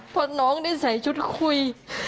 พอน้องได้ใส่ชุดคุย